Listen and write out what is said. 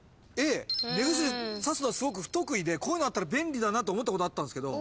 目薬さすのがすごく不得意でこういうのあったら便利だなと思ったことあったんすけど。